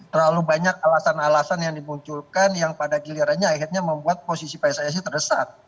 terlalu banyak alasan alasan yang dimunculkan yang pada gilirannya akhirnya membuat posisi pssi terdesak